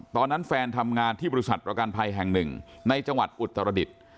ตอนนั้นแฟนทำงานที่บริษัทประกันภัยแห่งหนึ่งในจังหวัดอุตรดิษฐ์